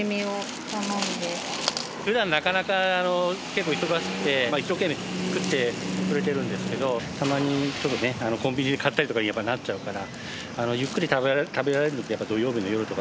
普段なかなか結構忙しくて一生懸命作ってくれているんですけどたまにちょっとねコンビニで買ったりとかにやっぱりなっちゃうから。